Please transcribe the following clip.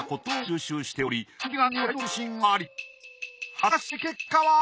果たして結果は？